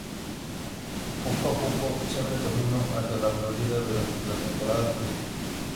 Poco a poco se abren camino hacia la Florida durante la temporada turística.